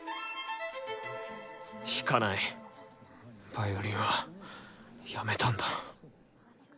ヴァイオリンはやめたんだ。